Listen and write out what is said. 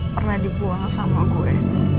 pernah dibuang sama gue